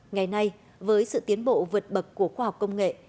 ngày nay với sự tiến bộ vượt bậc của khoa học công nghệ